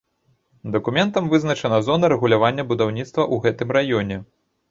Дакументам вызначана зона рэгулявання будаўніцтва ў гэтым раёне.